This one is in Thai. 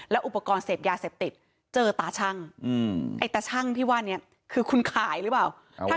อุปกรณ์เสพยาเสพติดเจอตาชั่งไอ้ตาชั่งที่ว่านี้คือคุณขายหรือเปล่า